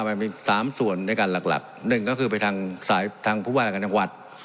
มันมีสามส่วนด้วยกันหลักหลักหนึ่งก็คือไปทางสายทางผู้ว่ารายการจังหวัด